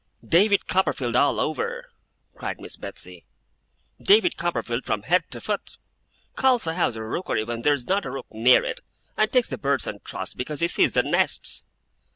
'David Copperfield all over!' cried Miss Betsey. 'David Copperfield from head to foot! Calls a house a rookery when there's not a rook near it, and takes the birds on trust, because he sees the nests!